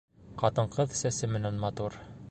Ҡатын-ҡыҙ сәсе менән матур.